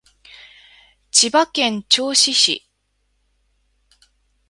千葉県銚子市